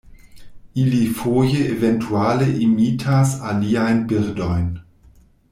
Ili foje eventuale imitas aliajn birdojn.